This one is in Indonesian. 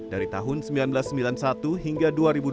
dari tahun seribu sembilan ratus sembilan puluh satu hingga dua ribu dua